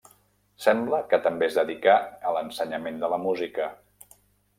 Sembla que també es dedicà a l'ensenyament de la música.